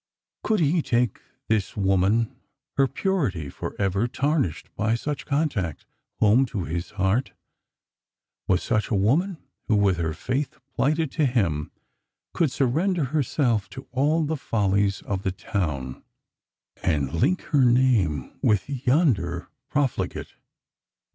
Could he take this woman — her purity for ever tarnished by such contact — home to his heart P Was such a woman — who, with her faith plighted to him, could surrender herself to all the follies of the town, and link her name with yonder profligate —• Strangers and Pilgrimt.